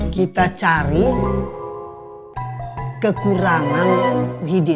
kita cari kekurangan wuhidin